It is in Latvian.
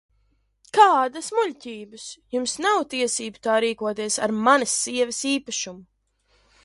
Kādas muļķības! Jums nav tiesību tā rīkoties ar manas sievas īpašumu!